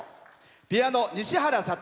ピアノ、西原悟。